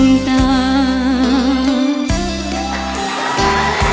ถึงเวลาที่๒๘เวลา